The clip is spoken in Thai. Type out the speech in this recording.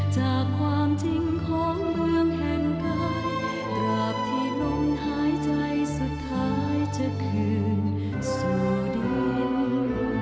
จากความจริงของเมืองแห่งกายตราบที่ลมหายใจสุดท้ายจะคืนสู่ดิน